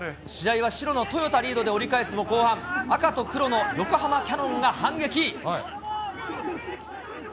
試合は白のトヨタリードで折り返すも後半、赤と黒の横浜キヤノンが反撃。